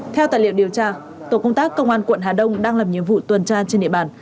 theo tài liệu điều tra tổ công tác công an quận hà đông đang làm nhiệm vụ tuần tra trên địa bàn